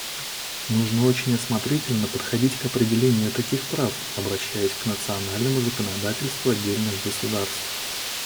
Нужно очень осмотрительно подходить к определению таких прав, обращаясь к национальному законодательству отдельных государств.